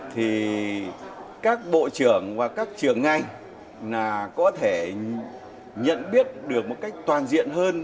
thì các bộ trưởng và các trường ngành là có thể nhận biết được một cách toàn diện hơn